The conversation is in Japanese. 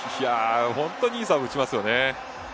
本当にいサーブ打ちますよね。